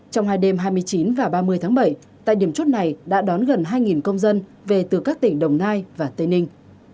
trong hai đêm hai mươi chín và ba mươi tháng bảy tại điểm chốt này đã đón gần hai công dân về từ các tỉnh đồng nai và tây ninh